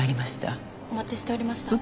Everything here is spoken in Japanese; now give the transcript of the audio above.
お待ちしておりました。